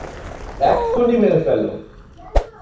এক্ষুনি মেরে ফেলো।